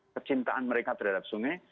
kecintaan mereka terhadap sungai